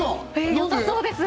よさそうです。